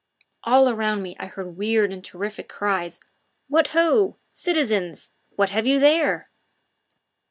All around me I heard weird and terrific cries: "What ho! citizens what have you there?"